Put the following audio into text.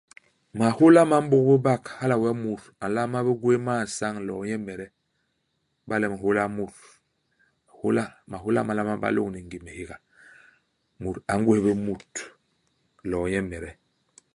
Mahôla ma m'bôk bé bak, hala wee mut a nlama bé gwés man-isañ iloo nyemede. Iba le u nhôla mut, hôla mahôla ma nlama ba ni ngim hihéga. Mut a ngwés bé mut iloo nyemede.